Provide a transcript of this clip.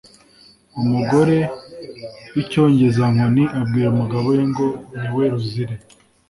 Umugore w’icyongezankoni abwira umugabo we ngo niwe ruzire.